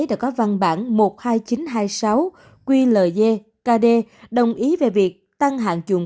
đã có văn bản một mươi hai nghìn chín trăm hai mươi sáu qld kd đồng ý về việc tăng hạn dùng